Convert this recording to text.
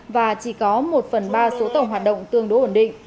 và chỉ có một phần ba số tàu hoạt động tương đối ổn định